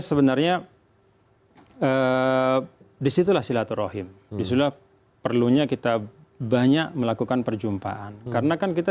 sebenarnya disitulah silaturahim disitulah perlunya kita banyak melakukan perjumpaan karena kan kita